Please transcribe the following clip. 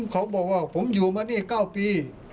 เขาบอกว่าผมอยู่มานี่๙ปี